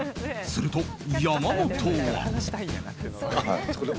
すると、山本は。